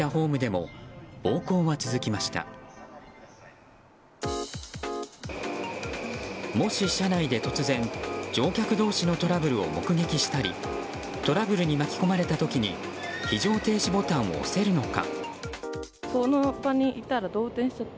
もし、車内で突然乗客同士のトラブルを目撃したりトラブルに巻き込まれた時に非常停止ボタンを押せるのか。